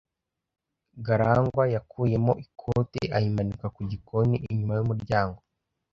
Garangwa yakuyemo ikote ayimanika ku gikoni inyuma y'umuryango.